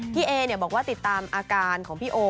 เอบอกว่าติดตามอาการของพี่โอ